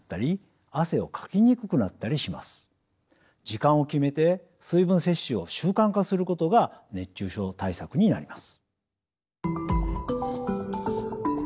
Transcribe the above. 時間を決めて水分摂取を習慣化することが熱中症対策になります。